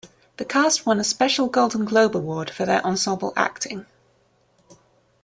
The cast won a Special Golden Globe Award for their ensemble acting.